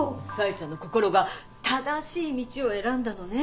冴ちゃんの心が正しい道を選んだのね。